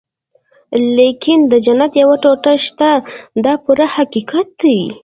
لیکن د جنت یوه ټوټه شته دا پوره حقیقت دی.